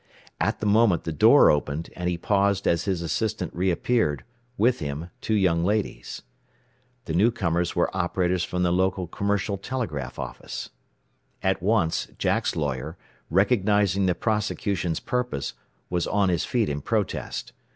At the moment the door opened, and he paused as his assistant reappeared, with him two young ladies. The newcomers were operators from the local commercial telegraph office. At once Jack's lawyer, recognizing the prosecution's purpose, was on his feet in protest.